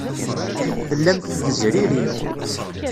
Tellamt tezririmt.